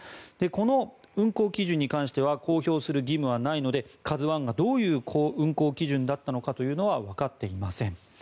この運航基準に関しては公表する義務はないので「ＫＡＺＵ１」がどういう運航基準だったのかはわかっていません。